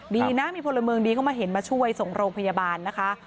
ดีนะมีพลเมืองดีเข้ามาเห็นมาช่วยส่งโรงพยาบาลนะคะ